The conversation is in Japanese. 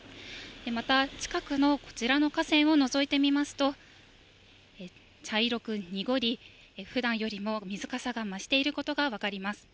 また、近くのこちらの河川をのぞいてみますと、茶色く濁り、ふだんよりも水かさが増していることが分かります。